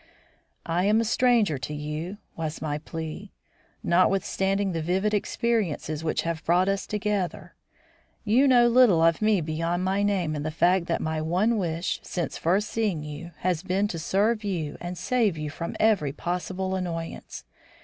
"I am a stranger to you," was my plea, "notwithstanding the vivid experiences which have brought us together. You know little of me beyond my name and the fact that my one wish, since first seeing you, has been to serve you and save you from every possible annoyance.